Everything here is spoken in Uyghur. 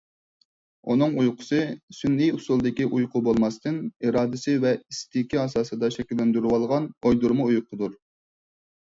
ئۇنىڭ ئۇيقۇسى سۈنئىي ئۇسۇلدىكى ئۇيقۇ بولماستىن، ئىرادىسى ۋە ئىستىكى ئاساسىدا شەكىللەندۈرۈۋالغان ئويدۇرما ئۇيقىدۇر.